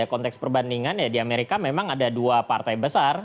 konteks perbandingan ya di amerika memang ada dua partai besar